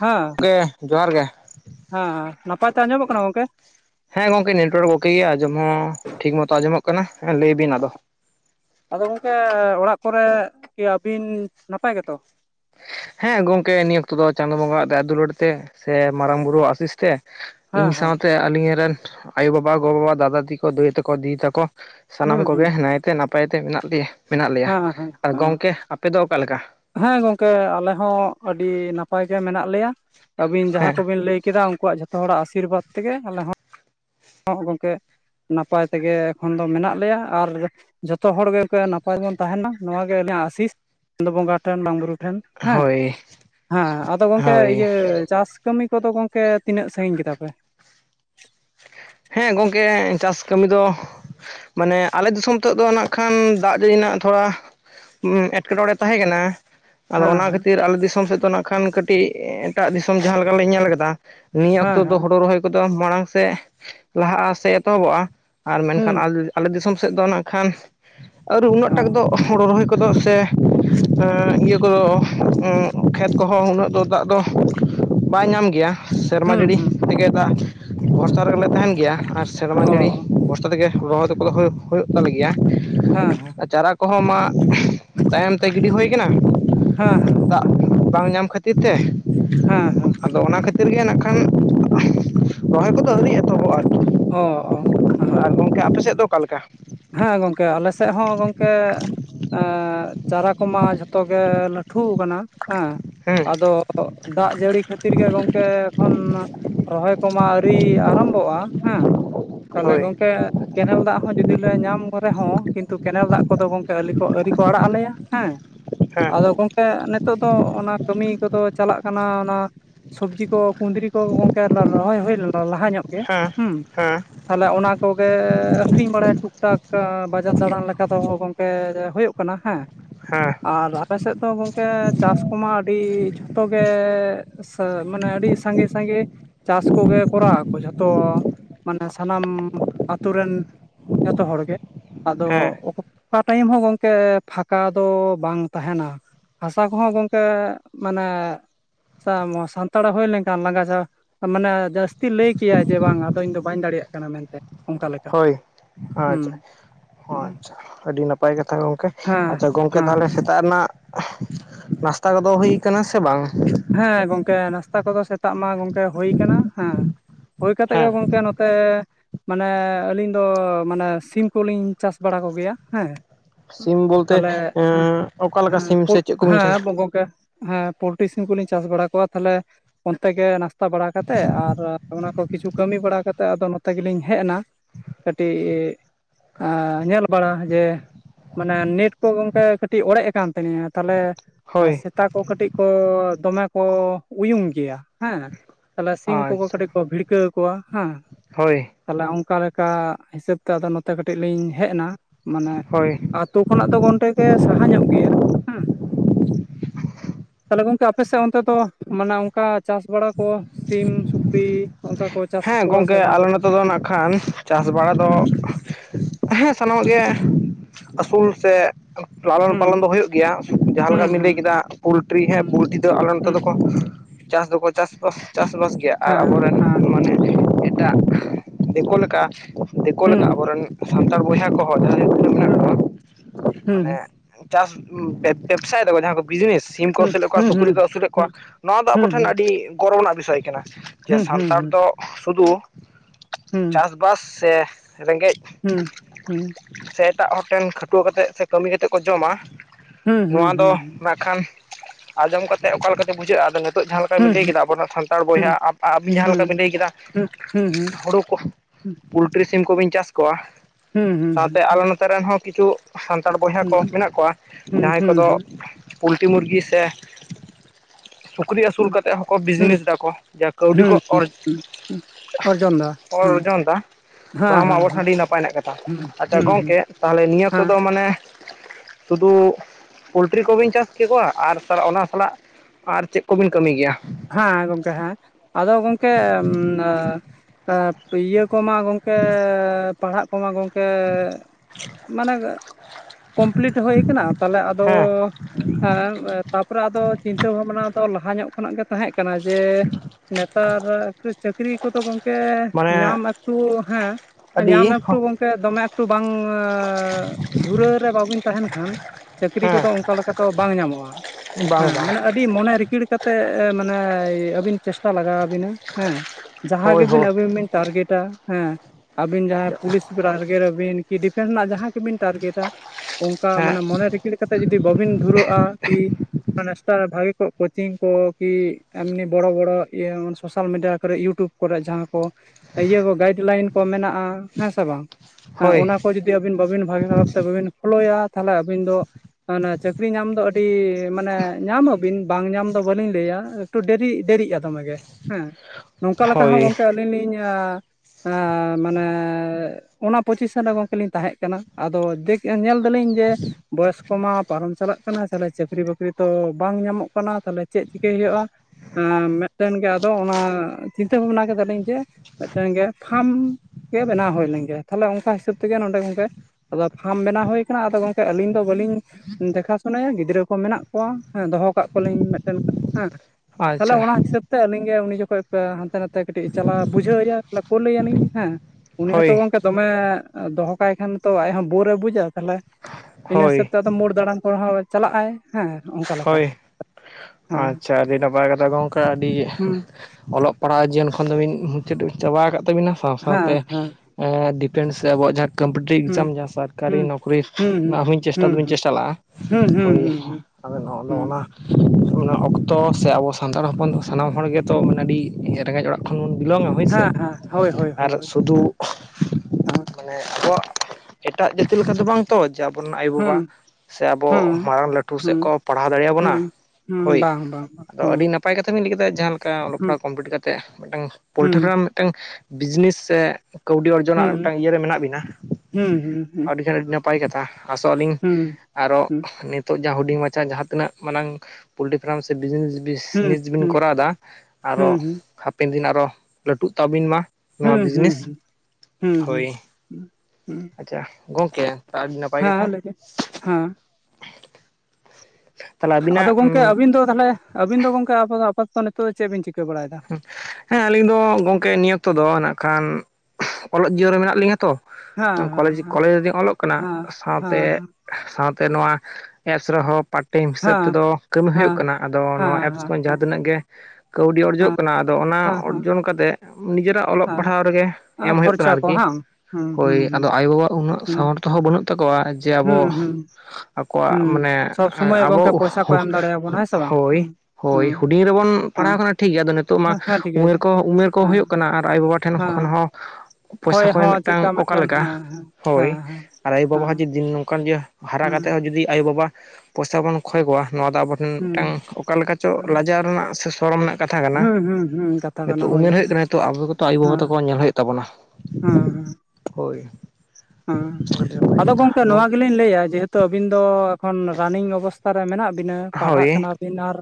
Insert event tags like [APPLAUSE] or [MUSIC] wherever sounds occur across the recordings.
ᱦᱟᱸ ᱜᱚᱝᱠᱮ ᱡᱚᱦᱟᱨ ᱜᱮ ᱦᱟᱸ ᱱᱟᱯᱟᱭ ᱛᱮ ᱟᱸᱡᱚᱢᱚᱜ ᱠᱟᱱᱟ ᱜᱚᱝᱠᱮ ᱦᱮᱸ ᱜᱚᱝᱠᱮ ᱱᱮᱴᱚᱣᱟᱨᱠ ᱳᱠᱮ ᱜᱮᱭᱟ ᱟᱸᱡᱚᱢ ᱦᱚᱸ ᱴᱷᱤᱠ ᱢᱚᱛᱚ ᱟᱸᱡᱚᱢᱚᱜ ᱠᱟᱱᱟᱮ ᱞᱟᱹᱭ ᱵᱤᱱ ᱟᱫᱚ ᱟᱫᱚ ᱜᱚᱝᱠᱮ ᱚᱲᱟᱜ ᱠᱚᱨᱮ ᱠᱤ ᱟᱹᱵᱤᱱ ᱱᱟᱯᱟᱭ ᱜᱮᱛᱚ? ᱦᱮᱸ ᱜᱚᱝᱠᱮ ᱱᱤᱭᱟᱹ ᱚᱠᱛᱚ ᱫᱚ ᱪᱟᱸᱫᱳ ᱵᱚᱸᱜᱟᱣᱟᱜ ᱫᱟᱭᱟ ᱫᱩᱞᱟᱹᱲ ᱛᱮ ᱥᱮ ᱢᱟᱨᱟᱝ ᱵᱩᱨᱩᱣᱟᱜ ᱟᱥᱤᱥ ᱛᱮ ᱦᱮᱸ ᱤᱧ ᱦᱮᱸ ᱥᱟᱶᱛᱮ ᱟᱞᱤᱧ ᱨᱮᱱ ᱟᱭᱳᱼᱵᱟᱵᱟ ᱜᱚᱼᱵᱟᱵᱟ ᱫᱟᱫᱟ ᱛᱟᱠᱚ ᱫᱟᱹᱭ ᱛᱟᱠᱚ ᱫᱤᱫᱤ ᱛᱟᱠᱚ ᱥᱟᱱᱟᱢ ᱦᱩᱸ ᱠᱚᱜᱮ ᱦᱩᱸ ᱱᱟᱭᱛᱮ ᱱᱟᱯᱟᱭ ᱛᱮ ᱢᱮᱱᱟᱜ ᱞᱮᱭᱟ ᱾ ᱢᱮᱱᱟᱜ ᱞᱮᱭᱟ ᱦᱮᱸ ᱦᱮᱸ ᱟᱨ ᱦᱮᱸ ᱜᱚᱢᱠᱮ ᱟᱯᱮ ᱫᱚ ᱚᱠᱟ ᱞᱮᱠᱟ? ᱦᱮᱸ ᱜᱚᱝᱠᱮ ᱟᱞᱮ ᱦᱚᱸ ᱟᱹᱰᱤ ᱱᱟᱯᱟᱭ ᱜᱮ ᱢᱮᱱᱟᱜ ᱞᱮᱭᱟ ᱾ ᱟᱹᱵᱤᱱ ᱡᱟᱦᱟᱸ ᱦᱮᱸ ᱠᱚᱵᱤᱱ ᱞᱟᱹᱭ ᱠᱮᱫᱟ ᱩᱱᱠᱩᱣᱟᱜ ᱡᱷᱚᱛᱚ ᱦᱚᱲᱟᱜ ᱟᱥᱤᱨᱵᱟᱫᱽ ᱛᱮᱜᱮ ᱟᱞᱮ ᱦᱚᱸ ᱦᱚᱸ ᱜᱚᱢᱠᱮ ᱱᱟᱯᱟᱭ ᱛᱮᱜᱮ ᱮᱠᱷᱚᱱ ᱫᱚ ᱢᱮᱱᱟᱜ ᱞᱮᱭᱟ ᱟᱨ ᱡᱷᱚᱛᱚ ᱦᱚᱲ ᱜᱮ ᱥᱮ ᱱᱟᱯᱟᱭ ᱵᱚᱱ ᱛᱟᱦᱮᱱᱟ ᱱᱚᱣᱟ ᱜᱮ ᱟᱹᱞᱤᱧᱟᱜ ᱟᱥᱤᱥ ᱪᱟᱸᱫᱚ ᱵᱚᱸᱜᱟ ᱴᱷᱮᱱ ᱵᱟᱝ ᱵᱩᱨᱩ ᱴᱷᱮᱱ ᱦᱮᱸ ᱦᱳᱭ ᱦᱮᱸ ᱟᱫᱚ ᱜᱚᱝᱠᱮ ᱦᱳᱭ ᱤᱭᱟᱹ ᱪᱟᱥ? ᱠᱟᱹᱢᱤ ᱠᱚᱫᱚ ᱜᱚᱢᱠᱮ ᱛᱤᱱᱟᱹᱜ ᱥᱟᱸᱜᱤᱧ ᱠᱮᱫᱟ ᱯᱮ? ᱦᱮᱸ ᱜᱚᱢᱠᱮ ᱪᱟᱥ ᱠᱟᱹᱢᱤ ᱫᱚ ᱢᱟᱱᱮ ᱟᱞᱮ ᱫᱤᱥᱚᱢ ᱛᱮᱫ ᱫᱚ ᱱᱟᱜ ᱠᱷᱟᱱ ᱫᱟᱜ ᱡᱟᱹᱲᱤ ᱨᱮᱱᱟᱜ ᱛᱷᱚᱲᱟ ᱦᱚᱸ ᱮᱸᱴᱠᱮᱴᱚᱬᱮ ᱛᱟᱦᱮᱸ ᱠᱟᱱᱟ ᱟᱫᱚ ᱦᱮᱸ ᱚᱱᱟ ᱦᱮᱸ ᱠᱷᱟᱹᱛᱤᱨ ᱟᱞᱮ ᱫᱤᱥᱚᱢ ᱥᱮᱫ ᱫᱚ ᱱᱟᱜ ᱠᱷᱟᱱ ᱠᱟᱹᱴᱤᱡ ᱮᱴᱟᱜ ᱫᱤᱥᱚᱢ ᱡᱟᱦᱟᱸ ᱞᱮᱠᱟᱞᱮ ᱧᱮᱞ ᱠᱟᱫᱟ? ᱱᱤᱭᱟᱹ ᱦᱮᱸ ᱚᱠᱛᱚ ᱫᱚ ᱦᱮᱸ ᱦᱩᱲᱩ ᱨᱚᱦᱚᱭ ᱠᱚᱫᱚ ᱢᱟᱲᱟᱝ ᱥᱮᱫ ᱞᱟᱦᱟᱜᱼᱟ ᱥᱮ ᱮᱛᱚᱦᱚᱵᱚᱜᱼᱟ ᱾ ᱟᱨ ᱦᱩᱸ ᱢᱮᱱᱠᱷᱟᱱ ᱟᱞᱮ ᱫᱤᱥᱚᱢ ᱥᱮᱫ ᱫᱚ ᱱᱟᱜ ᱠᱷᱟᱱ ᱟᱹᱣᱨᱤ ᱩᱱᱟᱹᱜ ᱴᱟᱜ ᱫᱚ ᱦᱩᱲᱩ ᱨᱚᱦᱚᱭ ᱠᱚᱫᱚ ᱥᱮ ᱦᱮᱸ ᱤᱭᱟᱹ ᱠᱚᱫᱚ ᱚᱸ ᱠᱷᱮᱛ ᱠᱚᱦᱚᱸ ᱩᱱᱟᱹᱜ ᱫᱚ ᱫᱟᱜ ᱫᱚ ᱵᱟᱭ ᱧᱟᱢ ᱜᱮᱭᱟ ᱥᱮᱨᱢᱟ ᱡᱟᱹᱲᱤ ᱛᱮᱜᱮ ᱫᱟᱜ ᱨᱮᱞᱮ ᱛᱟᱦᱮᱱ ᱜᱮᱭᱟ ᱟᱨ ᱥᱮᱨᱢᱟ ᱡᱟᱹᱲᱤ ᱵᱚᱥᱛᱟ ᱛᱮᱜᱮ ᱨᱚᱦᱚᱭ ᱫᱚ ᱠᱚᱫᱚ ᱦᱳ ᱦᱳ ᱦᱳᱭᱳᱜ ᱛᱟᱞᱮ ᱜᱮᱭᱟ ᱦᱮᱸ ᱦᱮᱸ ᱾ ᱪᱟᱨᱟ ᱠᱚᱦᱚᱸ ᱢᱟ ᱛᱟᱭᱚᱢ ᱛᱮ ᱜᱤᱰᱤ ᱦᱳᱭ ᱠᱟᱱᱟ ᱦᱮᱸ ᱦᱮᱸ ᱫᱟᱜ ᱦᱮᱸ ᱵᱟᱝ ᱧᱟᱢ ᱠᱷᱟᱹᱛᱤᱨ ᱛᱮ ᱦᱮᱸ ᱦᱮᱸ ᱟᱫᱚ ᱚᱱᱟ ᱠᱷᱟᱹᱛᱤᱨ ᱜᱮ ᱱᱟᱜ᱾ ᱠᱷᱟᱱ ᱨᱚᱦᱚᱭ ᱠᱚᱫᱚ ᱟᱹᱣᱨᱤ ᱮᱛᱚᱦᱚᱵᱚᱜᱼᱟ ᱟᱨᱠᱤ ᱚ ᱚ ᱦᱮᱸ ᱟᱨ ᱛᱚ᱾ ᱜᱚᱝᱠᱮ ᱟᱯᱮ ᱥᱮᱫ ᱫᱚ ᱚᱠᱟ ᱞᱮᱠᱟ ᱦᱮᱸ ᱜᱚᱝᱠᱮ ᱟᱞᱮ ᱥᱮᱫ ᱦᱚᱸ ᱜᱚᱝᱠᱮ ᱮᱸ ᱪᱟᱨᱟ ᱠᱚᱢᱟ ᱡᱷᱚᱛᱚ ᱜᱮ ᱞᱟᱹᱼᱼ ᱴᱷᱩ ᱟᱠᱟᱱᱟ ᱦᱮᱸ ᱦᱮᱸ ᱟᱫᱚ ᱫᱟᱜ ᱡᱟᱹᱲᱤ ᱠᱷᱟᱹᱛᱤᱨ ᱜᱮ ᱜᱚᱝᱠᱮ ᱮᱠᱷᱚᱱ ᱨᱚᱦᱚᱭ ᱠᱚᱢᱟ ᱟᱹᱨᱤ ᱟᱨᱟᱢᱵᱷᱚᱜᱼᱟ᱾ ᱦᱮᱸ ᱛᱟᱦᱚᱞᱮ ᱦᱳᱭ ᱜᱚᱝᱠᱮ ᱠᱮᱱᱮᱞ ᱫᱟᱜ ᱦᱚᱸ ᱡᱩᱫᱤ ᱞᱮ ᱧᱟᱢ ᱨᱮᱦᱚᱸ ᱠᱤᱱᱛᱩ ᱠᱮᱱᱮᱞ ᱫᱟᱜ ᱠᱚᱫᱚ ᱜᱚᱝᱠᱮ ᱟᱹᱨᱤ ᱠᱚ ᱟᱹᱣᱨᱤ ᱠᱚ ᱟᱲᱟᱜ ᱟᱞᱮᱭᱟ᱾ ᱦᱮᱸ ᱦᱮᱸ ᱟᱫᱚ ᱜᱚᱝᱠᱮ ᱱᱤᱛᱚᱜ ᱫᱚ ᱚᱱᱟ ᱠᱟᱹᱢᱤ ᱠᱚᱫᱚ ᱪᱟᱞᱟᱜ ᱠᱟᱱᱟ ᱚᱱᱟ ᱥᱚᱵᱽᱡᱤ ᱠᱚ ᱠᱩᱫᱽᱨᱤ ᱠᱚ ᱜᱚᱝᱠᱮ ᱨᱚᱦᱚᱭ ᱦᱩᱭ ᱞᱮᱱᱟ ᱞᱟᱦᱟ ᱧᱚᱜ ᱜᱮ ᱦᱮᱸ ᱦᱩ ᱦᱮᱸ ᱛᱟᱦᱚᱞᱮ ᱚᱱᱟ ᱠᱚᱜᱮ ᱟᱹᱠᱷᱨᱤᱧ ᱵᱟᱲᱟᱭᱟ ᱴᱩᱠ ᱴᱷᱟᱠ, ᱵᱟᱡᱟᱨ ᱫᱟᱬᱟᱱ ᱞᱮᱠᱟ ᱛᱮᱦᱚᱸ ᱜᱚᱝᱠᱮ ᱦᱩᱭᱩᱜ ᱠᱟᱱᱟ ᱦᱮᱸ ᱾ ᱦᱮᱸ ᱟᱨ ᱟᱯᱮ ᱥᱮᱫ ᱫᱚ ᱜᱚᱝᱠᱮ ᱪᱟᱥ ᱠᱚᱢᱟ ᱟᱹᱰᱤ ᱡᱷᱚᱛᱚ ᱜᱮ ᱢᱟᱱᱮ ᱟᱹᱰᱤ ᱥᱟᱸᱜᱮ, ᱥᱟᱸᱜᱮ ᱪᱟᱥ ᱠᱚᱜᱮ ᱠᱚᱨᱟᱣ ᱟᱠᱚ ᱡᱷᱚᱛᱚ ᱛᱚ ᱢᱟᱱᱮ ᱥᱟᱱᱟᱢ ᱟᱛᱳ ᱨᱮᱱ ᱡᱚᱛᱚ ᱦᱚᱲ ᱜᱮ ᱾ ᱟᱫᱚ ᱦᱮᱸ ᱚᱠᱟ ᱴᱟᱭᱤᱢ ᱦᱚᱸ ᱜᱚᱝᱠᱮ ᱯᱷᱟᱠᱟ ᱫᱚ ᱵᱟᱝ ᱛᱟᱦᱮᱱᱟ ᱾ ᱦᱟᱥᱟ ᱠᱚᱦᱚᱸ ᱜᱚᱝᱠᱮ ᱢᱟᱱᱮ ᱥᱟᱱᱛᱟᱲ ᱦᱩᱭ ᱞᱮᱱᱠᱷᱟᱱ ᱞᱟᱸᱜᱟ ᱪᱟᱵᱟ ᱢᱟᱱᱮ ᱡᱟᱹᱥᱛᱤ ᱞᱟᱹᱭ ᱠᱤᱭᱟᱭ ᱡᱮ ᱵᱟᱝ ᱟᱫᱚ ᱤᱧ ᱫᱚ ᱵᱟᱹᱧ ᱫᱟᱲᱮᱭᱟᱜ ᱠᱟᱱᱟ ᱢᱮᱱᱛᱮ ᱾ ᱦᱳᱭ ᱟᱪᱪᱷᱟ ᱾ ᱦᱮᱸ ᱟᱪᱪᱷᱟ ᱟᱹᱰᱤ ᱱᱟᱯᱟᱭ ᱠᱟᱛᱷᱟ ᱜᱚᱝᱠᱮ, ᱟᱪᱪᱷᱟ ᱜᱚᱝᱠᱮ ᱦᱮᱸ ᱛᱟᱦᱚᱞᱮ ᱥᱮᱛᱟᱜ ᱨᱮᱱᱟᱜ ᱱᱟᱥᱛᱟ ᱠᱚᱫᱚ ᱦᱩᱭ ᱟᱠᱟᱱᱟ ᱥᱮ ᱵᱟᱝ? ᱦᱮᱸ ᱜᱚᱝᱠᱮ ᱱᱟᱥᱛᱟ ᱠᱚᱫᱚ ᱥᱮᱛᱟᱜ ᱢᱟ ᱜᱚᱝᱠᱮ ᱦᱩᱭ ᱠᱟᱱᱟ ᱦᱮᱸ ᱾ ᱦᱩᱭ ᱠᱟᱛᱮᱫ ᱦᱮᱸ ᱜᱮ ᱜᱚᱢᱠᱮ ᱱᱚᱛᱮ ᱢᱟᱱᱮ ᱟᱹᱞᱤᱧ ᱫᱚ ᱢᱟᱱᱮ ᱥᱤᱢ ᱠᱚᱞᱤᱧ ᱪᱟᱥ ᱵᱟᱲᱟ ᱠᱚᱜᱮᱭᱟ ᱦᱮᱸ ᱥᱤᱢ ᱾ ᱵᱚᱞᱛᱮ ᱛᱟᱦᱚᱞᱮ ᱦᱮᱸ ᱚᱠᱟᱞᱮᱠᱟ ᱦᱮᱸ ᱥᱤᱢ ᱥᱮ ᱪᱮᱫ ᱠᱚᱵᱤᱱ ᱪᱟᱥ ᱦᱮᱸ ᱜᱚᱢᱠᱮ ᱾ ᱦᱮᱸ ᱯᱚᱞᱴᱨᱤ ᱥᱤᱢ ᱠᱚᱞᱤᱧ ᱪᱟᱥ ᱵᱟᱲᱟ ᱠᱚᱣᱟ ᱛᱟᱦᱚᱞᱮ ᱚᱱᱛᱮ ᱜᱮ ᱱᱟᱥᱛᱟ ᱵᱟᱲᱟ ᱠᱟᱛᱮ ᱟᱨ ᱚᱱᱟ ᱠᱚ ᱠᱤᱪᱷᱩ ᱠᱟᱹᱢᱤ ᱵᱟᱲᱟ ᱠᱟ ᱛᱮᱜ ᱟᱫᱚ ᱱᱚᱛᱮ ᱜᱮᱞᱤᱧ ᱦᱮᱡ ᱮᱱᱟ ᱠᱟᱹᱴᱤᱡ ᱧᱮᱞ ᱵᱟᱲᱟ ᱡᱮ ᱢᱟᱱᱮ ᱱᱮᱴ ᱠᱚ ᱜᱚᱝᱠᱮ ᱠᱟᱹᱴᱤᱡ ᱚᱲᱮᱡ ᱟᱠᱟᱱ ᱛᱤᱧᱟᱹ ᱛᱟᱦᱚᱞᱮ ᱦᱳᱭ ᱥᱮᱛᱟ ᱠᱚ ᱠᱟᱹᱴᱤᱡ ᱠᱚ ᱫᱚᱢᱮ ᱠᱚ ᱩᱭᱩᱢ ᱜᱮᱭᱟ ᱦᱮᱸ ᱾ ᱛᱟᱦᱚᱞᱮ ᱥᱤᱢ ᱠᱚᱠᱚ ᱟᱪᱪᱷᱟ ᱠᱟᱹᱴᱤᱡ ᱠᱚ ᱵᱷᱤᱲᱠᱟᱹᱣ ᱠᱚᱣᱟ ᱦᱮᱸ᱾ ᱦᱳᱭ ᱛᱟᱦᱚᱞᱮ ᱚᱱᱠᱟ ᱞᱮᱠᱟ ᱦᱤᱥᱟᱹᱵ ᱛᱮ ᱟᱫᱚ ᱱᱚᱛᱮ ᱠᱟᱹᱴᱤᱡ ᱞᱤᱧ ᱦᱮᱡ ᱮᱱᱟ ᱢᱟᱱᱮ ᱦᱳᱭ ᱟᱛᱳ ᱠᱷᱚᱱᱟᱜ ᱫᱚ ᱜᱚᱱᱴᱮ ᱜᱮ ᱥᱟᱦᱟ ᱧᱚᱜ ᱜᱮᱭᱟ ᱦᱚᱸ ᱛᱟᱦᱚᱞᱮ ᱜᱚᱝᱠᱮ - ᱟᱯᱮᱥᱮᱱ ᱚᱱᱛᱮ ᱫᱚ ᱢᱟᱱᱮ ᱚᱱᱠᱟ ᱪᱟᱥ ᱵᱟᱲᱟ ᱠᱚ ᱥᱤᱢ ᱥᱩᱠᱨᱤ ᱚᱱᱠᱟ ᱠᱚ ᱪᱟᱥ ᱦᱮᱸ ᱠᱚᱣᱟ ᱥᱮ ᱜᱚᱢᱠᱮ ᱵᱟᱝ ᱠᱚ ᱟᱞᱮ ᱪᱟᱥ ᱱᱚᱛᱮ ᱫᱚ ᱠᱚᱣᱟ? ᱱᱟᱜ ᱠᱷᱟᱱ ᱪᱟᱥ ᱵᱟᱲᱟ ᱫᱚ ᱦᱩᱸ ᱦᱮᱸ ᱥᱟᱱᱟᱢᱟᱜ ᱜᱮ ᱟᱹᱥᱩᱞ ᱥᱮ ᱞᱟᱞᱚᱱ ᱦᱩᱸ ᱯᱟᱞᱚᱱ ᱫᱚ ᱦᱩᱭᱩᱜ ᱜᱮᱭᱟ, ᱡᱟᱦᱟᱸ ᱦᱩᱸ ᱞᱮᱠᱟ ᱵᱤᱱ ᱦᱩᱸ ᱞᱟᱹᱭ ᱠᱮᱫᱟ, ᱯᱳᱞᱴᱨᱤ ᱦᱮᱸ ᱦᱩᱸ ᱯᱳᱞᱨᱤ ᱟᱞᱮ ᱱᱚᱛᱮ ᱦᱩᱸ ᱫᱚᱠᱚ ᱪᱟᱥ ᱫᱚᱠᱚ ᱪᱟᱥ ᱵᱟᱥ ᱜᱮᱭᱟ ᱟᱨ ᱦᱮᱸ ᱟᱵᱚᱨᱮᱱ ᱮᱴᱟᱜ ᱫᱤᱠᱩ ᱞᱮᱠᱟ, ᱫᱤᱠᱩ ᱞᱮᱠᱟ ᱦᱮᱸ ᱟᱵᱚᱨᱮᱱ ᱥᱟᱱᱛᱟᱲ ᱵᱚᱭᱦᱟ ᱠᱚ ᱦᱩᱸ ᱢᱟᱱᱮ ᱢᱟᱱᱮ ᱦᱩᱸ ᱪᱟᱥ ᱵᱮᱵᱥᱟ ᱮᱫᱟ ᱡᱟᱦᱟᱸ ᱠᱚ ᱵᱤᱡᱽᱱᱮᱥ ᱥᱤᱢ ᱠᱚ ᱟᱹᱥᱩᱞᱮᱫ ᱦᱩᱸ ᱠᱚᱣᱟ, ᱦᱩᱸ ᱦᱩᱸ ᱥᱩᱠᱨᱤ ᱠᱚ ᱟᱹᱥᱩᱞᱮᱫ ᱠᱚᱣᱟ, ᱱᱚᱣᱟ ᱫᱚ ᱟᱵᱚ ᱦᱩᱸ ᱦᱩᱸ ᱦᱩᱸ ᱴᱷᱮᱱ ᱟᱹᱰᱤ ᱜᱚᱨᱚᱵᱽᱱᱟᱜ ᱵᱤᱥᱚᱭ ᱠᱟᱱᱟ ᱾ ᱡᱮ ᱦᱩᱸ ᱦᱩᱸ ᱦᱩᱸ ᱦᱩᱸ ᱥᱟᱱᱛᱟᱲ ᱫᱚ ᱥᱩᱫᱷᱩ ᱪᱟᱥᱵᱟᱥ ᱥᱮ ᱨᱮᱸᱜᱮᱡ ᱦᱮᱸ, ᱦᱮᱸ ᱾ ᱥᱮ ᱮᱴᱟᱜ ᱦᱚᱲ ᱴᱷᱮᱱ ᱠᱷᱟᱹᱴᱣᱟᱹ ᱠᱟᱛᱮ ᱥᱮ ᱠᱟᱹᱢᱤ ᱠᱟᱛᱮ ᱠᱚ ᱡᱚᱢᱟ᱾ ᱦᱩᱸ ᱦᱩᱸ ᱦᱩᱸ ᱦᱩᱸ ᱦᱩᱸ ᱦᱩᱸ ᱦᱩᱸ ᱦᱩᱸ ᱦᱩᱸ ᱦᱩᱸ ᱦᱩᱸ ᱦᱩᱸ ᱦᱩᱸ ᱦᱩᱸ ᱦᱩᱸ ᱦᱩᱸ ᱱᱚᱣᱟ ᱫᱚ ᱠᱷᱟᱱ ᱟᱸᱡᱚᱢ ᱠᱟᱛᱮᱫ ᱚᱠᱟ ᱞᱮᱠᱟ ᱛᱮ ᱵᱩᱡᱷᱟᱹᱜᱼᱟ, ᱟᱫᱚ ᱱᱤ ᱛᱚᱜ ᱡᱟᱦᱟᱸ ᱞᱮᱠᱟ ᱵᱤᱱ ᱞᱟᱹᱭ ᱠᱮᱫᱟ, ᱟᱵᱚ ᱥᱟᱱᱛᱟᱲ ᱵᱚᱭᱦᱟ ᱟᱹᱵᱤᱱ ᱡᱟᱦᱟᱸ ᱞᱮᱠᱟ ᱵᱤᱱ ᱞᱟᱹᱭ ᱠᱮᱫᱟ ᱦᱩᱲᱩ ᱠᱚ ᱯᱳᱞᱴᱨᱤ ᱥᱤᱢ ᱠᱚᱵᱤᱱ ᱪᱟᱥ ᱠᱚᱣᱟ, ᱥᱟᱶᱛᱮ ᱟᱞᱮ ᱱᱚᱛᱮ ᱨᱮᱱ ᱦᱚᱸ ᱠᱤᱪᱷᱩ ᱥᱟᱱᱛᱟᱲ ᱵᱚᱭᱦᱟ ᱠᱚ ᱢᱮᱱᱟᱜ ᱠᱚᱣᱟ, ᱡᱟᱦᱟᱸᱭ ᱠᱚᱫᱚ ᱦᱩᱸ ᱯᱳᱞᱴᱨᱤ ᱢᱩᱨᱜᱤ ᱥᱮ ᱥᱩᱠᱨᱤ ᱟᱹᱥᱩᱞ ᱠᱟᱛᱮᱫ ᱦᱚᱸᱠᱚ ᱵᱤᱡᱽᱱᱮᱥ ᱫᱟᱠᱚ, ᱡᱟ ᱠᱟᱹᱣᱰᱤ ᱠᱚ ᱦᱩᱸ ᱚᱨᱡᱚᱱ ᱫᱟ ᱾ ᱚᱨᱡᱚᱱ ᱫᱟ ᱾ ᱱᱚᱣᱟ ᱢᱟ ᱟᱵᱚᱥᱥᱳ ᱟᱹᱰᱤ ᱱᱟᱯᱟᱭ ᱨᱮᱱᱟᱜ ᱠᱟᱛᱷᱟ ᱦᱩᱸ ᱾ ᱟᱪᱪᱷᱟ ᱦᱩᱸ ᱜᱚᱢᱠᱮ ᱦᱩᱸ ᱛᱟᱦᱚᱞᱮ ᱱᱤᱭᱟᱹ ᱦᱮᱸ ᱠᱚᱫᱚ ᱢᱟᱱᱮ ᱥᱩᱫᱷᱩ ᱯᱳᱞᱴᱨᱤ ᱠᱚᱵᱤᱱ ᱪᱟᱥ ᱠᱮᱠᱚᱭᱟ, ᱟᱨ ᱚᱱᱟ ᱥᱟᱞᱟᱜ ᱟᱨ ᱪᱮᱫ ᱠᱚᱵᱤᱱ ᱠᱟᱹᱢᱤ ᱜᱮᱭᱟ? ᱦᱮᱸ ᱜᱚᱝᱠᱮ ᱦᱮᱸ ᱟᱫᱚ ᱜᱚᱝᱠᱮ ᱮᱸᱻᱢ ᱤᱭᱟᱹ ᱠᱚᱢᱟ ᱜᱚᱝᱠᱮ ᱯᱟᱲᱦᱟᱜ ᱠᱚᱢᱟ ᱜᱚᱝᱠᱮ ᱢᱟᱱᱮ ᱠᱚᱢᱯᱞᱤᱴ ᱦᱩᱭ ᱠᱟᱱᱟ ᱛᱟᱦᱚᱞᱮ ᱟᱫᱚ ᱦᱮᱸ ᱦᱮᱸ ᱛᱟᱯᱚᱨᱮ ᱟᱫᱚ ᱪᱤᱱᱛᱟᱹ ᱵᱷᱟᱵᱱᱟ ᱫᱚ ᱞᱟᱦᱟ ᱧᱚᱜ ᱠᱷᱚᱱᱟᱜ ᱜᱮ ᱛᱟᱦᱮᱸ ᱠᱟᱱᱟ ᱡᱮ ᱱᱮᱛᱟᱨ [UNINTELLIGIBLE] ᱠᱚᱫᱚ ᱜᱚᱝᱠᱮ ᱢᱟᱱᱮ ᱧᱟᱢ ᱮᱠᱴᱩ ᱦᱮᱸ, ᱧᱟᱢ ᱟᱹᱰᱤ ᱮᱠᱴᱩ ᱜᱚᱝᱠᱮ ᱫᱚᱢᱮ ᱮᱠᱴᱩ ᱵᱟᱝᱻ ᱫᱷᱩᱨᱟᱹᱣ ᱨᱮ ᱵᱟᱵᱤᱱ ᱛᱟᱦᱮᱱ ᱠᱷᱟᱱ ᱪᱟᱹᱠᱨᱤ ᱦᱮᱸ ᱠᱚᱫᱚ ᱚᱱᱠᱟ ᱞᱮᱠᱟ ᱛᱚ ᱵᱟᱝ ᱧᱟᱢᱚᱜᱼᱟ ᱾ ᱵᱟᱝ ᱵᱟᱝ ᱾ ᱟᱹᱰᱤ ᱢᱚᱱᱮ ᱨᱤᱠᱤᱲ ᱠᱟᱛᱮ ᱢᱟᱱᱮ ᱟᱹᱵᱤᱱ ᱪᱮᱥ ᱛᱚ ᱞᱟᱜᱟᱣ ᱵᱤᱱᱟ ᱦᱮᱸ ᱡᱟᱦᱟᱸ ᱦᱳᱭ ᱜᱮᱵᱤᱱ ᱦᱳᱭ ᱟᱹᱵᱤᱱ ᱵᱤᱱ ᱴᱟᱨᱜᱮᱴᱟ ᱦᱮᱸ ᱟᱹᱵᱤᱱ ᱡᱟᱦᱟᱸᱭ ᱯᱩᱞᱤᱥ ᱴᱟᱨᱜᱮᱴ ᱟᱹᱵᱤᱱ ᱠᱤ ᱰᱤᱯᱷᱮᱱᱥ ᱨᱮᱱᱟᱜ ᱡᱟᱦᱟᱸ ᱜᱮᱵᱤᱱ ᱴᱟᱨᱜᱮᱴᱟ ᱾ ᱚᱱᱠᱟ ᱦᱮᱸ ᱢᱟᱱᱮ ᱢᱚᱱᱮ ᱨᱤᱠᱤᱲ ᱠᱟᱛᱮ ᱡᱩᱫᱤ ᱵᱟᱵᱤᱱ ᱫᱷᱩᱨᱟᱹᱜᱼᱟ ᱠᱤ ᱱᱟᱥᱴᱟᱨ ᱵᱷᱟᱜᱤ ᱠᱚ ᱠᱳᱪᱤᱝ ᱠᱚ ᱠᱤ ᱮᱢᱱᱤ ᱵᱚᱲᱚ ᱵᱚᱲᱚ ᱤᱭᱟᱹ ᱥᱳᱥᱟᱞ ᱢᱤᱰᱤᱭᱟ ᱠᱚᱨᱮ ᱤᱭᱩᱴᱩᱵᱽ ᱠᱚᱨᱮ ᱡᱟᱦᱟᱸ ᱠᱚ ᱤᱭᱟᱹ ᱠᱚ ᱜᱟᱭᱤᱰ ᱞᱟᱭᱤᱱ ᱠᱚ ᱢᱮᱱᱟᱜᱼᱟ ᱦᱮᱸ ᱥᱮ ᱵᱟᱝ? ᱦᱮ‍ᱸ ᱦᱳᱭ ᱚᱱᱟ ᱠᱚ ᱡᱩᱫᱤ ᱡᱩᱫᱤ ᱟᱹᱵᱤᱱ ᱵᱟᱵᱤᱱ ᱵᱷᱟᱜᱤ ᱵᱷᱟᱵᱛᱮ ᱵᱟᱵᱤᱱ ᱯᱷᱳᱞᱳᱭᱟ ᱛᱟᱦᱚᱞᱮ ᱟᱵᱤᱱ ᱫᱚ ᱪᱟᱹᱠᱨᱤ ᱧᱟᱢ ᱫᱚ ᱟᱹᱰᱤ ᱢᱟᱱᱮ ᱧᱟᱢᱟ ᱵᱤᱱ ᱵᱟᱝ ᱧᱟᱢ ᱫᱚ ᱵᱟᱹᱞᱤᱧ ᱞᱟᱹᱭᱟ ᱮᱠᱴᱩ ᱰᱮᱨᱤ ᱫᱮᱨᱤᱜ-ᱟ ᱾ ᱫᱚᱢᱮ ᱜᱮ ᱦᱮᱸ ᱱᱚᱝᱠᱟ ᱞᱮᱠᱟ ᱦᱚᱸ ᱦᱳᱭ ᱜᱚᱢᱠᱮ ᱟᱹᱞᱤᱧ ᱞᱤᱧ ᱮᱸ ᱢᱟᱱᱮ ᱚᱱᱟ ᱯᱚᱸᱪᱤᱥᱟᱱ ᱨᱮ ᱜᱚᱢᱠᱮ ᱞᱤᱧ ᱛᱟᱦᱮᱸ ᱠᱟᱱᱟ ᱟᱫᱚ ᱫᱮᱠ ᱧᱮᱞ ᱫᱟᱞᱤᱧ ᱡᱮ ᱵᱚᱭᱚᱥ ᱠᱚᱢᱟ ᱯᱟᱨᱚᱢ ᱪᱟᱞᱟᱜ ᱠᱟᱱᱟ ᱛᱟᱦᱚᱞᱮ ᱪᱟᱹᱠᱨᱤ ᱵᱟᱹᱠᱨᱤ ᱛᱚ ᱵᱟᱝ ᱧᱟᱢᱚᱜ ᱠᱟᱱᱟ ᱛᱟᱦᱚᱞᱮ ᱪᱮᱫ ᱪᱤᱠᱟᱹᱭ ᱦᱩᱭᱩᱜᱼᱟ ᱢᱤᱫᱴᱮᱱ ᱜᱮ ᱟᱫᱚ ᱚᱱᱟ ᱪᱤᱱᱛᱟᱹ ᱵᱷᱟᱵᱽᱱᱟ ᱠᱮᱫᱟ ᱞᱤᱧ ᱡᱮ ᱢᱤᱫᱴᱮᱱ ᱜᱮ ᱯᱷᱟᱨᱢ ᱜᱮ ᱵᱮᱱᱟᱣ ᱦᱩᱭ ᱞᱮᱱ ᱜᱮᱭᱟ ᱛᱟᱦᱞᱮ ᱚᱱᱠᱟ ᱦᱤᱥᱟᱹᱵ ᱛᱮᱜᱮ ᱱᱚᱸᱰᱮ ᱜᱚᱝᱠᱮ ᱟᱫᱚ ᱯᱷᱟᱨᱢ ᱵᱮᱱᱟᱣ ᱦᱩᱭ ᱟᱠᱟᱱᱟ ᱟᱫᱚ ᱜᱚᱝᱠᱮ ᱟᱹᱞᱤᱧ ᱫᱚ ᱵᱟᱹᱞᱤᱧ ᱫᱮᱠᱷᱟ ᱥᱩᱱᱟᱭᱟ ᱜᱤᱫᱽᱨᱟᱹ ᱠᱚ ᱢᱮᱱᱟᱜ ᱠᱚᱣᱟ ᱦᱮᱸ ᱫᱚᱦᱚ ᱠᱟᱜ ᱠᱚᱣᱟᱞᱤᱧ ᱢᱤᱫᱴᱮᱱ ᱜᱟᱱ ᱦᱮᱸ, ᱛᱟᱦᱚᱞᱮ ᱟᱪᱪᱷᱟ ᱚᱱᱟ ᱦᱤᱥᱟᱹᱵ ᱛᱮ ᱟᱹᱞᱤᱧ ᱜᱮ ᱩᱱᱤ ᱡᱚᱠᱷᱚᱱ ᱦᱟᱱᱛᱮ ᱱᱟᱛᱮ ᱠᱟᱹᱴᱤᱡ ᱪᱟᱞᱟᱣ ᱵᱩᱡᱷᱟᱹᱣ ᱮᱭᱟ ᱠᱩᱞᱮᱭᱟᱞᱤᱧ ᱦᱮᱸ ᱩᱱᱤ ᱦᱚᱸᱛᱚ ᱦᱳᱭ ᱜᱚᱝᱠᱮ ᱫᱚᱢᱮ ᱫᱚᱦᱚ ᱠᱟᱭ ᱠᱷᱟᱱ ᱦᱚᱸᱛᱚ ᱟᱡᱦᱚᱸ ᱵᱳᱨ ᱮ ᱵᱩᱡᱟ, ᱛᱟᱦᱚᱞᱮ ᱤᱱᱟᱹ ᱦᱤᱥᱟᱹᱵ ᱦᱳᱭ ᱛᱮ ᱟᱫᱚ ᱢᱳᱲ ᱫᱟᱬᱟᱱ ᱠᱚᱦᱚᱸ ᱪᱟᱞᱟᱜ ᱟᱭ ᱦᱮᱸ ᱚᱱᱠᱟ ᱞᱮᱠᱟ ᱦᱳᱭ ᱾ ᱟᱪᱪᱷᱟ ᱟᱹᱰᱤ ᱱᱟᱯᱟᱭ ᱠᱟᱛᱷᱟ ᱜᱚᱝᱠᱮ ᱟᱹᱰᱤ ᱦᱩᱸ ᱚᱞᱚᱜ ᱯᱟᱲᱦᱟᱣ ᱡᱤᱭᱚᱱ ᱠᱷᱚᱱ ᱫᱚᱵᱤᱱ ᱢᱩᱪᱟᱹᱫ ᱪᱟᱵᱟ ᱟᱠᱟᱫ ᱛᱟᱹᱵᱤᱱᱟ ᱥᱟᱶ ᱥᱟᱶ ᱦᱮᱸ ᱛᱮ ᱦᱮᱸ ᱰᱤᱯᱮᱱᱥ ᱥᱮ ᱟᱵᱚᱣᱟᱜ ᱡᱟᱦᱟᱸ ᱠᱚᱢᱯᱤᱴᱨᱤᱵᱷ ᱦᱩᱸ ᱮᱠᱡᱟᱢ ᱡᱟᱦᱟᱸ ᱦᱩᱸ ᱥᱚᱨᱠᱤ ᱱᱚᱠᱨᱤ ᱦᱩᱸ ᱨᱮᱱᱟᱜ ᱦᱚᱸᱧ ᱪᱮᱥᱴᱟ ᱦᱩᱸ ᱫᱚᱵᱤᱱ ᱪᱮᱥᱴᱟ ᱞᱟᱜᱼᱟ ᱾ ᱦᱩᱸ ᱦᱩᱸ ᱦᱩᱸ ᱦᱩᱸ ᱾ ᱟᱫᱚ ᱱᱚᱜᱼᱚᱭ ᱱᱚᱜ-ᱚᱱᱟ ᱚᱱᱟ ᱚᱠᱛᱚ ᱥᱮ ᱟᱵᱚ ᱥᱟᱱᱛᱟᱲ ᱦᱚᱯᱚᱱ ᱫᱚ ᱥᱟᱱᱟᱢ ᱦᱚᱲ ᱜᱮᱛᱚ ᱟᱹᱰᱤ ᱨᱮᱸᱜᱮᱡ ᱚᱲᱟᱜ ᱠᱷᱚᱱ ᱵᱚᱱ ᱵᱤᱞᱚᱝ-ᱟ ᱦᱳᱭ ᱥᱮ ᱦᱮᱸ ᱦᱮᱸ ᱦᱳᱭ ᱦᱳᱭ ᱟᱨ ᱦᱳᱭ ᱦᱳᱭ ᱥᱩᱫᱷᱩ ᱦᱮᱸ ᱦᱮᱸ ᱢᱟᱱᱮ ᱟᱵᱚᱣᱟᱜ ᱮᱴᱟᱜ ᱡᱟᱹᱛᱤ ᱞᱮᱠᱟ ᱫᱚ ᱵᱟᱝ ᱛᱚ ᱡᱮ ᱟᱵᱚ ᱨᱮᱱ ᱟᱭᱳ ᱵᱟᱵᱟ ᱦᱩᱸ ᱥᱮ ᱟᱵᱚ ᱦᱩᱸ ᱢᱟᱨᱟᱝ ᱞᱟᱹᱴᱩ ᱥᱮᱫ ᱦᱩᱸ ᱠᱚ ᱯᱟᱲᱦᱟᱣ ᱫᱟᱲᱮᱭᱟᱵᱚᱱᱟ ᱦᱩᱸ ᱦᱩᱸ ᱦᱳᱭ ᱾ ᱵᱟᱝ ᱵᱟᱝ ᱟᱫᱚ ᱦᱩᱸ ᱟᱹᱰᱤ ᱱᱟᱯᱟᱭ ᱠᱟᱛᱷᱟ ᱵᱤᱱ ᱞᱟᱹᱭ ᱠᱮᱫᱟ ᱡᱟᱦᱟᱸ ᱞᱮᱠᱟ ᱚᱞᱚᱜ ᱦᱩᱸ ᱯᱟᱲᱦᱟᱜ ᱠᱚᱢᱯᱞᱤᱴ ᱠᱟᱛᱮᱫ ᱢᱤᱫᱴᱟᱝ ᱦᱩᱸ ᱯᱚᱞᱴᱨᱤ ᱯᱷᱟᱨᱢ ᱢᱤᱫᱴᱟᱝ ᱵᱤᱡᱽᱱᱮᱥ ᱥᱮ ᱠᱟᱹᱣᱰᱤ ᱦᱩᱸ ᱚᱨᱡᱚᱱᱟᱜ ᱢᱤᱫᱴᱟᱝ ᱤᱭᱟᱹᱨᱮ ᱢᱮᱱᱟᱜ ᱵᱤᱱᱟ, ᱦᱩᱸ ᱦᱩᱸ ᱦᱩᱸ ᱟᱹᱰᱤ ᱜᱟᱱ ᱟᱹᱰᱤ ᱱᱟᱯᱟᱭ ᱠᱟᱛᱷᱟ ᱾ ᱟᱥᱚᱜ ᱟᱹᱞᱤᱧ ᱦᱩᱸ ᱟᱨᱚ ᱦᱩᱸ ᱱᱤᱛᱚᱜ ᱡᱟᱦᱟᱸ ᱦᱩᱰᱤᱧ ᱢᱟᱪᱷᱟ ᱡᱟᱦᱟᱸ ᱛᱤᱱᱟᱹᱜ ᱢᱟᱨᱟᱝ ᱯᱚᱞᱴᱨᱤ ᱯᱷᱟᱨᱟᱢ ᱥᱮ ᱵᱤᱡᱽᱱᱮᱥ ᱦᱩᱸ ᱵᱤᱥᱱᱤᱡ ᱵᱮᱱ ᱦᱩᱸ ᱠᱚᱨᱟᱣ ᱮᱫᱟ ᱟᱨᱚ ᱦᱟᱯᱮᱱ ᱫᱤᱱ ᱟᱨᱚ ᱞᱟᱹᱴᱩᱜ ᱛᱟᱵᱤᱱ ᱢᱟ ᱾ ᱦᱩᱸ ᱦᱩᱸ ᱦᱩᱸ, ᱦᱩᱸ ᱦᱩᱸ, ᱦᱳᱭ ᱦᱩᱸ, ᱦᱩᱸ᱾ ᱟᱪᱪᱷᱟ ᱜᱚᱝᱠᱮ᱾ ᱟᱹᱰᱤ ᱱᱟᱯᱟᱭ ᱦᱟᱸ ᱠᱟᱛᱷᱟ ᱞᱟᱹᱭ ᱵᱤᱱ, ᱦᱟᱸ᱾ [UNINTELLIGIBLE] ᱟᱫᱚ ᱜᱚᱝᱠᱮ ᱟᱹᱵᱤᱱ ᱫᱚ ᱛᱟᱦᱚᱞᱮ ᱟᱵᱤᱱ ᱫᱚ ᱜᱚᱝᱠᱮ ᱟᱯᱟ- ᱟᱯᱟᱛᱚᱛᱚ ᱱᱤᱛᱚᱜ ᱫᱚ ᱪᱮᱫ ᱵᱤᱱ ᱪᱤᱠᱟᱹ ᱵᱟᱲᱟᱭᱮᱫᱟ? ᱦᱮᱸ ᱟᱞᱤᱧ ᱫᱚ ᱜᱚᱝᱠᱮ ᱱᱤᱭᱟᱹ ᱚᱠᱛᱚ ᱫᱚ ᱱᱟᱜ ᱠᱷᱟᱱ ᱚᱞᱚᱜ ᱡᱤᱭᱚᱱ ᱨᱮ ᱢᱮᱱᱟᱜ ᱞᱤᱧᱟ ᱛᱚ᱾ ᱦᱮᱸ ᱦᱮᱸ ᱠᱚᱞᱮᱡᱽ, ᱦᱮᱸ ᱠᱚᱞᱮᱡᱽ ᱨᱮ ᱞᱤᱧ ᱚᱞᱚᱜ ᱠᱟᱱᱟ ᱥᱟᱶᱛᱮ ᱦᱮᱸ ᱥᱟᱶᱛᱮ ᱱᱚᱣᱟ ᱮᱯᱥ ᱨᱮᱦᱚᱸ ᱯᱟᱴ ᱴᱟᱭᱤᱢ ᱦᱤᱥᱟᱹᱵ ᱦᱮᱸ ᱦᱮᱸ ᱛᱮᱫᱚ ᱠᱟᱹᱢᱤ ᱦᱩᱭᱩᱜ ᱦᱮᱸ ᱠᱟᱱᱟ᱾ ᱟᱫᱚ ᱦᱮᱸ ᱱᱚᱣᱟ ᱦᱮᱸ ᱮᱯᱥ ᱦᱮᱸ ᱠᱷᱚᱱ ᱡᱟᱦᱟᱸ ᱛᱤᱱᱟᱹᱜ ᱜᱮ ᱠᱟᱹᱣᱰᱤ ᱚᱨᱡᱚᱜ ᱠᱟᱱᱟ ᱟᱫᱚ ᱚᱱᱟ ᱦᱮᱸ ᱦᱮᱸ ᱦᱮᱸ ᱚᱨᱡᱚᱱ ᱠᱟᱛᱮᱜ ᱱᱤᱡᱮᱨᱟᱜ ᱚᱞᱚᱜ ᱦᱮᱸ, ᱯᱟᱲᱦᱟᱣ ᱨᱮᱜᱮ ᱮᱢ ᱦᱩᱭᱩᱜ ᱠᱟᱱᱟ ᱠᱷᱚᱨᱪᱟ ᱠᱚ ᱟᱨᱠᱤ ᱦᱟᱝ ᱦᱩᱸ ᱦᱩᱸ ᱦᱳᱭ ᱟᱫᱚ ᱟᱭᱳ ᱵᱟᱵᱟᱣᱟᱜ ᱩᱱᱟᱹᱜ ᱦᱩᱸ ᱥᱟᱶ ᱛᱚ ᱦᱚ ᱵᱟᱹᱱᱩᱜ ᱛᱟᱠᱚᱣᱟ ᱡᱮ ᱦᱩᱸ ᱟᱵᱚ ᱦᱩᱸ᱾ ᱟᱠᱚᱣᱟᱜ ᱦᱩᱸ, ᱢᱟᱱᱮ ᱥᱚᱵᱽ ᱦᱮᱸ, ᱥᱚᱢᱚᱭ ᱟᱵᱚ ᱜᱚᱝᱠᱮ ᱯᱚᱭᱥᱟ ᱠᱚ ᱦᱳ ᱮᱢ ᱫᱟᱲᱮᱭᱟᱵᱚᱱᱟ ᱦᱮᱸ ᱥᱮ ᱵᱟᱝ ᱦᱳᱭ ᱦᱩᱸ ᱦᱳᱭ ᱦᱩᱸ ᱦᱩᱰᱤᱧ ᱨᱮᱵᱚᱱ ᱦᱮᱸ ᱯᱟᱲᱦᱟᱣ ᱠᱟᱱᱟ ᱴᱷᱤᱠ ᱜᱮᱭᱟ ᱟᱫᱚ ᱱᱤᱛᱚᱜ ᱦᱮᱸ ᱦᱮᱸ, ᱴᱷᱤᱠ ᱩᱢᱮᱨ ᱟᱪᱷᱮ ᱠᱚ ᱩᱢᱮᱨ ᱠᱚ ᱦᱮᱸ ᱦᱩᱭᱩᱜ ᱠᱟᱱᱟ ᱟᱨ ᱟᱭᱳᱼᱵᱟᱵᱟ ᱴᱷᱮᱱ ᱠᱷᱚᱱ ᱦᱮᱸ ᱦᱚᱸ ᱯᱚᱭᱥᱟ ᱦᱚᱭ ᱠᱷᱚᱭ ᱦᱚᱸ ᱢᱤᱫᱴᱟᱝ ᱪᱮᱫᱠᱟ ᱚᱠᱟ ᱢᱤᱫᱴᱮᱱ ᱞᱮᱠᱟ ᱦᱮᱸ ᱦᱮᱸ ᱦᱳᱭ ᱦᱮᱸ ᱦᱮᱸ ᱟᱨ ᱟᱭᱳᱼᱵᱟᱵᱟ ᱦᱮᱸ ᱦᱚᱸ ᱡᱮ ᱫᱤᱱ ᱱᱚᱝᱠᱟᱱ ᱡᱮ ᱦᱟᱨᱟ ᱠᱟᱛᱮᱫ ᱦᱮᱸ ᱦᱚᱸ ᱡᱩᱫᱤ ᱟᱭᱳ ᱵᱟᱵᱟ ᱯᱚᱭᱥᱟ ᱵᱚᱱ ᱠᱷᱚᱭ ᱠᱚᱣᱟ ᱱᱚᱣᱟ ᱫᱚ ᱟᱵᱚ ᱢᱤᱫᱴᱟᱝ ᱦᱩᱸ ᱚᱠᱟ ᱞᱮᱠᱟ ᱪᱚ ᱦᱩᱸ ᱞᱟᱡᱟᱣ ᱨᱮᱱᱟᱜ ᱥᱮ ᱥᱚᱲᱚᱢ ᱨᱮᱱᱟᱜ ᱠᱟᱛᱷᱟ ᱠᱟᱱᱟ᱾ ᱦᱩᱸ ᱦᱩᱸ᱾ ᱠᱟᱱᱟ ᱱᱤᱛᱳᱜ ᱦᱳᱭ ᱩᱢᱮᱨ ᱦᱩᱭᱩᱜ ᱦᱮᱸ ᱠᱟᱱᱟ ᱱᱤᱛᱳᱜ ᱟᱵᱚ ᱜᱮᱛᱚ ᱟᱭᱳ ᱵᱟᱵᱟ ᱦᱮᱸ ᱛᱟᱠᱚ ᱢᱟ ᱧᱮᱞ ᱦᱩᱭᱩᱜ ᱛᱟᱵᱚᱱᱟ, ᱦᱮᱸ ᱦᱳᱭ᱾ ᱦᱮᱸ ᱟᱹᱰᱤ ᱱᱟᱯᱟᱭ ᱟᱫᱚ ᱜᱚᱝᱠᱮ ᱠᱟᱛᱷᱟ ᱱᱚᱣᱟ ᱜᱚᱝ ᱜᱮᱞᱤᱧ ᱞᱟᱹᱭᱟ ᱡᱮᱦᱮᱛᱩ ᱟᱹᱵᱤᱱ ᱫᱚ ᱮᱠᱷᱚᱱ ᱨᱟᱱᱤᱝ ᱚᱵᱚᱥ ᱵᱚᱥᱛᱟ ᱨᱮ ᱢᱮᱱᱟᱜ ᱵᱤᱱᱟᱹ ᱦᱳᱭ ᱯᱟᱲᱦᱟᱜ ᱠᱟᱱᱟ ᱵᱤᱱ ᱟᱨ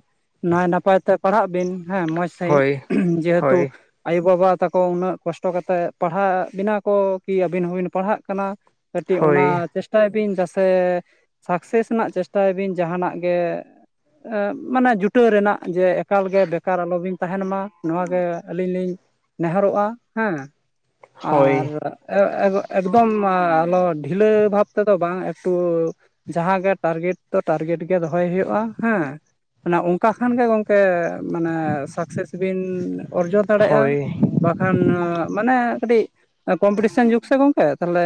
ᱱᱟᱭ ᱱᱟᱯᱟᱭ ᱛᱮ ᱯᱟᱲᱦᱟᱜ ᱵᱤᱱ ᱦᱮᱸ ᱢᱚᱸᱡᱽ ᱥᱟᱦᱤᱡ ᱦᱳᱭ ᱡᱮᱦᱮᱛᱩ ᱦᱳᱭ ᱟᱭᱳᱼᱵᱟᱵᱟ ᱛᱟᱠᱚ ᱩᱱᱟᱹᱜ ᱠᱚᱥᱴᱚ ᱠᱟᱛᱮᱫ ᱯᱟᱲᱦᱟᱣᱮᱫ ᱵᱤᱱᱟ ᱠᱚ ᱠᱤ ᱟᱹᱵᱤᱱ ᱦᱚᱸᱵᱤᱱ ᱯᱟᱲᱦᱟᱜ ᱠᱟᱱᱟ᱾ ᱠᱟᱹᱴᱤᱡ ᱦᱳᱭ ᱚᱱᱟ ᱪᱮᱥᱴᱟᱭ ᱵᱤᱱ ᱫᱟᱥᱮ ᱥᱟᱠᱥᱮᱥ ᱨᱮᱱᱟᱜ ᱪᱮᱥᱴᱟᱭ ᱵᱤᱱ ᱡᱟᱦᱟᱱᱟᱜ ᱜᱮ ᱢᱟᱱᱮ ᱡᱩᱴᱟᱹᱣ ᱨᱮᱱᱟᱜ ᱡᱮ ᱮᱠᱟᱞ ᱜᱮ ᱵᱮᱠᱟᱨ ᱟᱞᱚᱵᱤᱱ ᱛᱟᱦᱮᱱ ᱢᱟ, ᱱᱚᱣᱟ ᱜᱮ ᱟᱹᱞᱤᱧ ᱞᱤᱧ ᱱᱮᱦᱚᱨᱚᱜᱼᱟ ᱦᱮᱸ᱾ ᱦᱳᱭ ᱟᱨ ᱮᱠᱫᱚᱢ ᱟᱞᱚ ᱰᱷᱤᱞᱟᱹ ᱵᱷᱟᱵ ᱛᱮᱫᱚ ᱵᱟᱝ ᱮᱠᱴᱩ ᱡᱟᱦᱟᱸ ᱜᱮ ᱴᱟᱨᱜᱮᱴ ᱫᱚ ᱴᱟᱨᱜᱮᱴ ᱜᱮ ᱫᱚᱦᱚᱭ ᱦᱩᱭᱩᱜᱼᱟ ᱦᱮᱸ᱾ ᱢᱟᱱᱮ ᱚᱱᱠᱟ ᱠᱷᱟᱱ ᱜᱮ ᱜᱚᱝᱠᱮ ᱢᱟᱱᱮ ᱥᱟᱠᱥᱮᱥ ᱵᱤᱱ ᱚᱨᱡᱚ ᱫᱟᱲᱮᱜᱼᱟ, ᱦᱳᱭ ᱵᱟᱠᱷᱟᱱ ᱢᱟᱱᱮ ᱠᱟᱹᱴᱤᱡ ᱠᱚᱢᱯᱤᱴᱤᱥᱮᱱ ᱡᱩᱜ ᱥᱮ ᱜᱚᱝᱠᱮ ᱛᱟᱦᱞᱮ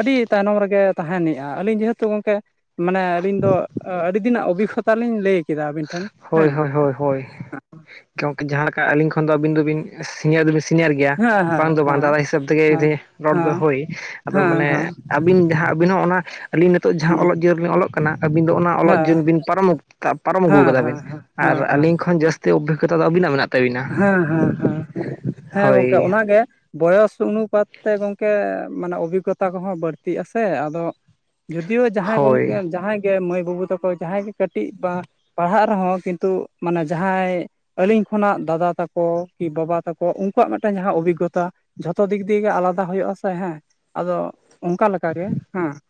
ᱟᱹᱰᱤ ᱛᱟᱭᱱᱚᱢ ᱨᱮᱜᱮ ᱛᱟᱦᱮᱱᱮᱜᱼᱟ ᱟᱹᱞᱤᱧ ᱡᱮᱦᱮᱛᱩ ᱜᱚᱢᱠᱮ ᱢᱟᱱᱮ ᱟᱹᱞᱤᱧ ᱫᱚ ᱟᱹᱰᱤ ᱫᱤᱱᱟᱜ ᱚᱵᱷᱤᱜᱽᱜᱚᱛᱟ ᱞᱤᱧ ᱞᱟᱹᱭ ᱠᱮᱫᱟ ᱟᱵᱤᱱ ᱴᱷᱮᱱ ᱦᱳᱭ ᱦᱮᱸ᱾ ᱦᱳᱭ ᱦᱳᱭ ᱦᱳᱭ ᱜᱚᱝᱠᱮ ᱡᱟᱦᱟᱸ ᱞᱮᱠᱟ ᱟᱹᱞᱤᱧ ᱠᱷᱚᱱ ᱫᱚ ᱟᱹᱵᱤᱱ ᱫᱚᱵᱤᱱ ᱥᱤᱱᱤᱭᱟᱨ ᱫᱚᱵᱤᱱ ᱥᱤᱱᱤᱭᱟᱨ ᱜᱮᱭᱟ ᱦᱮᱸ ᱦᱮᱸ ᱵᱟᱝ ᱫᱚ ᱵᱟᱝ ᱦᱮᱸ ᱫᱟᱫᱟ ᱦᱤᱥᱟᱹᱵ ᱦᱮᱸ ᱛᱮᱜᱮ ᱨᱚᱲ ᱦᱮᱸ ᱫᱚ ᱦᱳᱭ᱾ ᱟᱫᱚ ᱦᱮᱸ ᱦᱮᱸ ᱢᱟᱱᱮ ᱟᱹᱵᱤᱱ ᱡᱟᱦᱟᱸ ᱟᱹᱵᱤᱱ ᱦᱚᱸ ᱚᱱᱟ ᱟᱹᱞᱤᱧ ᱱᱤᱛᱚᱜ ᱡᱟᱦᱟᱸ ᱦᱮᱸ ᱚᱞᱚᱜ ᱡᱤᱭᱚᱱ ᱨᱮᱞᱤᱧ ᱚᱞᱚᱜ ᱠᱟᱱᱟ ᱟᱹᱵᱤᱱ ᱫᱚ ᱚᱱᱟ ᱚᱞᱚᱜ ᱦᱮᱸ ᱡᱤᱭᱚᱱ ᱵᱤᱱ ᱯᱟᱨᱚᱢ ᱯᱟᱨᱚᱢ ᱟᱹᱜᱩ ᱦᱮᱸ ᱦᱮᱸ ᱟᱠᱟᱫᱟᱵᱤᱱ ᱦᱮᱸ ᱟᱨ ᱦᱮᱸ ᱦᱮᱸ ᱟᱹᱞᱤᱧ ᱠᱷᱚᱱ ᱡᱟᱹᱥᱛᱤ ᱚᱵᱷᱤᱜᱚᱛᱟ ᱫᱚ ᱟᱹᱵᱤᱱᱟᱜ ᱢᱮᱱᱟᱜ ᱛᱟᱹᱵᱤᱱᱟ ᱦᱮᱸ ᱦᱮᱸ ᱦᱮᱸ, ᱦᱮᱸ ᱜᱚᱝᱠᱮ ᱦᱳᱭ ᱚᱱᱟᱜᱮ ᱵᱚᱭᱚᱥ ᱚᱱᱩᱯᱟᱛ ᱛᱮ ᱜᱚᱝᱠᱮ ᱢᱟᱱᱮ ᱚᱵᱷᱤᱜᱚᱛᱟ ᱠᱚᱦᱚᱸ ᱵᱟᱹᱲᱛᱤᱜᱼᱟ ᱥᱮ ᱟᱫᱚ ᱡᱩᱫᱤᱭᱳ ᱡᱟᱦᱟᱸᱭ ᱜᱚᱝᱠᱮ ᱦᱳᱭ ᱡᱟᱦᱟᱸᱭ ᱜᱮ ᱢᱟᱹᱭ ᱵᱟᱹᱵᱩ ᱛᱟᱠᱚ ᱡᱟᱦᱟᱸᱭ ᱜᱮ ᱠᱟᱹᱴᱤᱡ ᱵᱟ ᱯᱟᱲᱦᱟᱜ ᱨᱮᱦᱚᱸ ᱠᱤᱱᱛᱩ ᱢᱟᱱᱮ ᱡᱟᱦᱟᱸᱭ ᱟᱹᱞᱤᱧ ᱠᱷᱚᱱᱟᱜ ᱫᱟᱫᱟ ᱛᱟᱠᱚ ᱠᱤ ᱵᱟᱵᱟ ᱛᱟᱠᱚ ᱩᱱᱠᱩᱣᱟᱜ ᱢᱤᱫᱴᱟᱝ ᱡᱟᱦᱟᱸ ᱚᱵᱷᱤᱜᱽᱜᱚᱛᱟ ᱡᱷᱚᱛᱚ ᱫᱤᱠ ᱫᱤᱭᱮ ᱜᱮ ᱟᱞᱟᱫᱟ ᱦᱳᱭᱳᱜ ᱟᱥᱮ ᱦᱮᱸ ᱟᱫᱚ ᱚᱱᱠᱟ ᱞᱮᱠᱟᱜᱮ ᱦᱮᱸ᱾ [INAUDIBLE]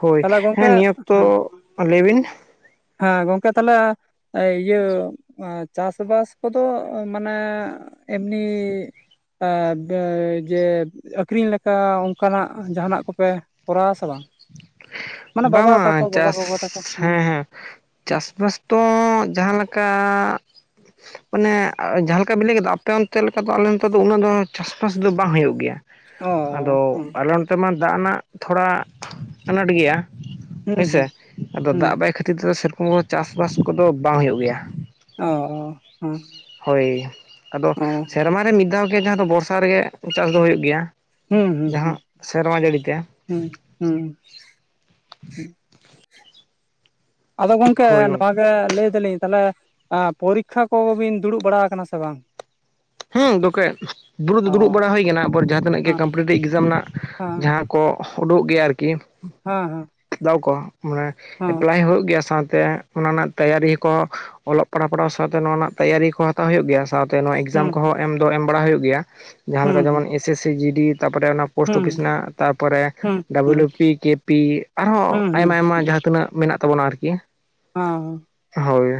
ᱦᱳᱭ᱾ ᱛᱟᱦᱚᱞᱮ ᱜᱚᱝᱠᱮ ᱦᱮᱸ ᱱᱤᱭᱟᱹ ᱚᱠᱛᱚ ᱦᱮᱸ ᱞᱟᱹᱭ ᱵᱤᱱ? ᱦᱮᱸ ᱜᱚᱝᱠᱮ ᱛᱟᱦᱚᱞᱮ ᱮᱭ ᱤᱭᱟᱹ ᱪᱟᱥᱵᱟᱥ ᱠᱚᱫᱚ ᱢᱟᱱᱮ ᱮᱢᱱᱤ ᱮ ᱵᱮ ᱡᱮ ᱟᱹᱠᱷᱨᱤᱧ ᱞᱮᱠᱟ ᱚᱱᱠᱟᱱᱟᱜ ᱡᱟᱦᱟᱱᱟᱜ ᱠᱚᱯᱮ ᱠᱚᱨᱟᱣᱟ ᱥᱮ ᱵᱟᱝ? ᱢᱟᱱᱮ ᱵᱟᱝ ᱵᱟᱵᱟ ᱛᱟᱠᱚ ᱵᱟᱝ ᱵᱟᱵᱟ ᱪᱟᱥ ᱜᱚᱜᱚ ᱛᱟᱠᱚ ᱦᱩᱸ ᱦᱮᱸ ᱦᱮᱸ᱾ ᱦᱩᱸ ᱪᱟᱥᱵᱟᱥ ᱛᱚ ᱡᱟᱦᱟᱸ ᱞᱮᱠᱟ ᱢᱟᱱᱮ ᱡᱟᱦᱟᱸ ᱞᱮᱠᱟ ᱵᱤᱱ ᱞᱟᱹᱭ ᱠᱮᱫᱟ ᱟᱯᱮ ᱚᱱᱛᱮ ᱞᱮᱠᱟ ᱫᱚ ᱟᱞᱮ ᱱᱚᱛᱮ ᱫᱚ ᱩᱱᱟᱹᱜ ᱫᱚ ᱪᱟᱥᱼᱵᱟᱥ ᱫᱚ ᱵᱟᱝ ᱦᱩᱭᱩᱜ ᱜᱮᱭᱟ᱾ ᱚ ᱟᱫᱚ ᱦᱩᱸ ᱟᱞᱮ ᱚᱱᱛᱮ ᱢᱟ ᱫᱟᱜ ᱨᱮᱱᱟᱜ ᱛᱷᱚᱲᱟ ᱟᱱᱟᱴ ᱜᱮᱭᱟ᱾ ᱦᱩᱸ ᱦᱳᱭᱥᱮ ᱦᱩᱸ ᱟᱫᱚ ᱦᱩᱸ ᱫᱟᱜ ᱵᱟᱭ ᱠᱷᱟᱹᱛᱤᱨ ᱛᱮᱚ ᱥᱮᱨᱚᱠᱚᱢ ᱠᱚᱫᱚ ᱪᱟᱥᱼᱵᱟᱥ ᱠᱚᱫᱚ ᱵᱟᱝ ᱦᱩᱭᱩᱜ ᱜᱮᱭᱟ᱾ ᱚ ᱦᱩᱸ᱾ ᱦᱳᱭ᱾ ᱟᱫᱚ ᱚ ᱥᱮᱨᱢᱟᱨ ᱨᱮ ᱢᱤᱫ ᱫᱷᱟᱣ ᱜᱮ ᱡᱟᱦᱟᱸ ᱫᱚ ᱵᱚᱨᱥᱟ ᱨᱮᱜᱮ ᱪᱟᱥ ᱫᱚ ᱦᱩᱭᱩᱜ ᱜᱮᱭᱟ᱾ ᱦᱩᱸ ᱦᱩᱸ ᱡᱟᱦᱟᱸ ᱦᱩᱸ᱾ ᱥᱮᱨᱢᱟ ᱡᱟᱹᱲᱤ ᱛᱮ ᱦᱩᱸ ᱦᱩᱸ ᱦᱩᱸ᱾ ᱟᱫᱚ ᱜᱚᱝᱠᱮ ᱱᱚᱣᱟ ᱜᱮ ᱞᱟᱹᱭ ᱫᱟᱞᱤᱧ ᱛᱟᱦᱚᱞᱮ ᱮᱸ ᱯᱚᱨᱤᱠᱷᱟ ᱠᱚᱵᱤᱱ ᱫᱩᱲᱩᱵ ᱵᱟᱲᱟ ᱟᱠᱟᱱᱟ ᱥᱮ ᱵᱟᱝ? ᱦᱮᱸ ᱫᱚᱠᱮ ᱫᱩᱲᱩᱵ ᱚ ᱫᱚ ᱫᱩᱲᱩᱵ ᱵᱟᱲᱟ ᱦᱳᱭ ᱠᱟᱱᱟ, ᱮᱯᱚᱨ ᱡᱟᱦᱟᱸ ᱛᱤᱱᱟᱹᱜ ᱜᱮ ᱦᱮᱸ ᱠᱚᱢᱯᱤᱴᱤᱮᱴᱤᱵᱽ ᱮᱠᱡᱟᱢ ᱨᱮᱱᱟᱜ ᱦᱮᱸ ᱡᱟᱦᱟᱸ ᱠᱚ ᱩᱰᱩᱠᱚᱜ ᱜᱮᱭᱟ ᱟᱨᱠᱤ᱾ ᱦᱮᱸ ᱫᱟᱣ ᱠᱚ᱾ ᱢᱟᱱᱨᱱᱴ ᱦᱮᱸ ᱮᱯᱞᱟᱭ ᱦᱩᱭᱩᱜ ᱜᱮᱭᱟ ᱥᱟᱶᱛᱮ ᱚᱱᱟ ᱨᱮᱱᱟᱜ ᱛᱮᱭᱟᱨᱤ ᱦᱚᱠᱚ ᱚᱞᱚᱜ ᱯᱟᱲᱦᱟᱣ ᱯᱟᱲᱦᱟᱣ ᱥᱟᱶᱛᱮ ᱱᱚᱣᱟ ᱨᱮᱱᱟᱜ ᱛᱮᱭᱟᱨᱤ ᱠᱚ ᱦᱟᱛᱟᱣ ᱦᱩᱭᱩᱜ, ᱥᱟᱶᱛᱮ ᱱᱚᱣᱟ ᱦᱮᱸ ᱮᱠᱡᱟᱢ ᱦᱩᱸ ᱠᱚᱦᱚᱸ ᱮᱢ ᱫᱚ ᱮᱢ ᱵᱟᱲᱟ ᱦᱩᱭᱩᱜ ᱜᱮᱭᱟ᱾ ᱡᱟᱦᱟᱸ ᱦᱩᱸ ᱞᱮᱠᱟ ᱡᱮᱢᱚᱱ ᱦᱩᱸ S S C G D ᱛᱟᱯᱚᱨᱮ ᱚᱱᱟ ᱯᱳᱥᱴ ᱦᱩᱸ ᱚᱯᱷᱤᱥ ᱨᱮᱱᱟᱜ᱾ ᱛᱟᱯᱚᱨᱮ ᱦᱩᱸ ᱰᱟᱵᱞᱩ ᱦᱩᱸ ᱱᱤ ᱯᱤ, ᱠᱮ ᱯᱤ ᱟᱨᱦᱚᱸ ᱦᱩᱸ ᱦᱩᱸ ᱟᱭᱢᱟ ᱟᱭᱢᱟ ᱡᱟᱦᱟᱸ ᱛᱤᱱᱟᱹᱜ ᱢᱮᱱᱟᱜ ᱛᱟᱵᱚᱱᱟ ᱟᱨᱠᱤ᱾ ᱦᱟᱸ ᱦᱚᱸ᱾ ᱦᱳᱭ᱾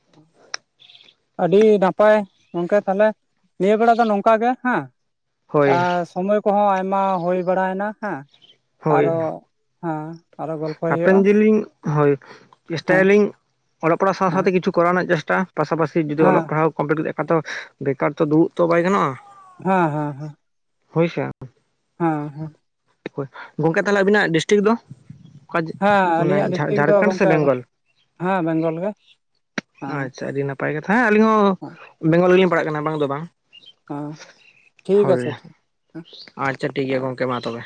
[INAUDIBLE] ᱟᱹᱰᱤ ᱱᱟᱯᱟᱭ᱾ ᱜᱚᱝᱠᱮ ᱛᱟᱞᱦᱮ ᱱᱤᱭᱟᱹ ᱵᱮᱲᱟ ᱫᱚ ᱱᱚᱝᱠᱟ ᱜᱮ ᱦᱮᱸ᱾ ᱦᱳᱭ ᱟᱸ ᱥᱚᱢᱚᱭ ᱠᱚᱦᱚᱸ ᱟᱭᱢᱟ ᱦᱩᱭ ᱵᱟᱲᱟᱭᱮᱱᱟ ᱦᱮᱸ ᱦᱳᱭ ᱟᱨᱚ ᱦᱮᱸ᱾ ᱟᱨᱚ ᱜᱚᱞᱯᱚᱭ ᱦᱟᱯᱮᱱ ᱦᱩᱭᱩᱜᱼᱟ ᱫᱤᱱᱤᱧ ᱦᱳᱭ᱾ ᱦᱮᱸ ᱪᱮᱥᱴᱟᱭᱟᱞᱤᱧ ᱚᱞᱚᱜ ᱯᱟᱲᱦᱟᱜ ᱥᱟᱶ ᱦᱮᱸ ᱥᱟᱶᱛᱮ ᱠᱤᱪᱷᱩ ᱠᱚᱨᱟᱣ ᱨᱮᱱᱟᱜ ᱪᱮᱥᱴᱟ ᱯᱟᱥᱟᱯᱟᱥᱤ ᱡᱩᱫᱤ ᱦᱮᱸ ᱚᱞᱚᱜ ᱯᱟᱲᱦᱟᱣ ᱠᱚᱢᱯᱞᱤᱴ ᱠᱟᱛᱮ ᱠᱷᱟᱡ ᱫᱚ ᱵᱮᱠᱟᱨ ᱛᱚ ᱫᱩᱲᱩᱵ ᱛᱚ ᱵᱟᱭ ᱜᱟᱱᱚᱜᱼᱟ᱾ ᱦᱮᱸ ᱦᱮᱸ ᱦᱮᱸ᱾ ᱦᱳᱭ ᱥᱮ? ᱦᱮᱸ ᱦᱮᱸ᱾ ᱦᱳᱭ᱾ ᱜᱚᱝᱠᱮ ᱛᱟᱦᱚᱞᱮ ᱟᱹᱵᱤᱱᱟᱜ ᱰᱤᱥᱴᱤᱠ ᱫᱚ? ᱚᱠᱟ ᱡᱮ ᱦᱮᱸ ᱢᱟᱱᱮ ᱟᱹᱞᱤᱧᱟᱜ ᱰᱤᱥᱴᱤᱠ ᱫᱚ ᱡᱷᱟᱨᱠᱷᱚᱸᱰ ᱥᱮ ᱜᱚᱝᱠᱮ ᱵᱮᱝᱜᱚᱞ? ᱦᱮᱸ ᱵᱮᱝᱜᱚᱞ ᱜᱮ ᱦᱮᱸ ᱟᱪᱪᱷᱟ ᱟᱹᱰᱤ ᱱᱟᱯᱟᱭ ᱠᱟᱛᱷᱟ ᱦᱮᱸ ᱟᱹᱞᱤᱧ ᱦᱚᱸ ᱵᱮᱝᱜᱚᱞ ᱜᱮᱞᱤᱧ ᱯᱟᱲᱟᱜ ᱠᱟᱱᱟ ᱵᱟᱝ ᱫᱚ ᱵᱟᱝ᱾ ᱦᱮᱸ ᱴᱷᱤᱠ ᱦᱳᱭ᱾ ᱟᱪᱷᱮ ᱴᱷᱤᱠ ᱦᱮᱸ ᱟᱪᱪᱷᱟ ᱴᱷᱤᱠ ᱜᱮᱭᱟ ᱜᱚᱝᱠᱮ ᱢᱟ ᱛᱚᱵᱮ᱾